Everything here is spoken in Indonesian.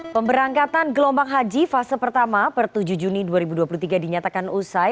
pemberangkatan gelombang haji fase pertama per tujuh juni dua ribu dua puluh tiga dinyatakan usai